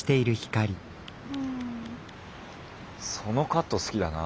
そのカット好きだな。